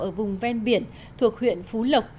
ở vùng ven biển thuộc huyện phú lộc